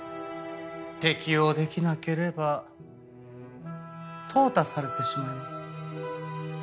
適応できなければ淘汰されてしまいます。